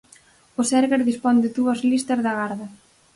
O Sergas dispón de dúas listas de agarda.